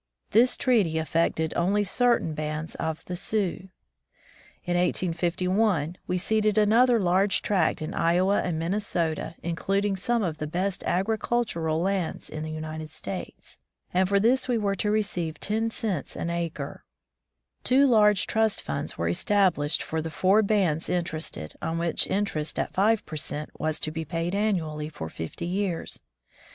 This treaty affected only certain bands of the Sioux. In 1851, we ceded another large tract in Iowa and Minnesota, including some of the best agricultural lands in the United States, 153 From the Deep Woods to CitnUzation and for this we were to receive ten cents an acre. Two large trust funds were established for the four bands interested, on which inter est at five per cent was to be paid annually for fifty years.